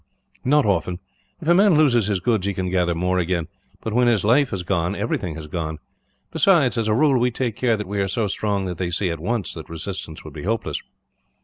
"Not often. If a man loses his goods, he can gather more again; but when his life has gone, everything has gone. Besides, as a rule we take care that we are so strong that they see, at once, that resistance would be hopeless.